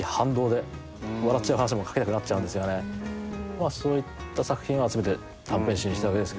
まあそういった作品を集めて短編集にしたわけですけれども。